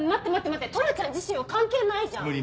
トラちゃん自身は関係ないじゃん！